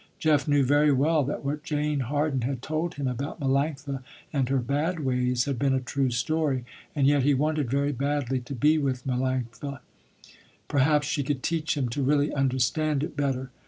Jeff knew very well, that what Jane Harden had told him about Melanctha and her bad ways, had been a true story, and yet he wanted very badly to be with Melanctha. Perhaps she could teach him to really understand it better.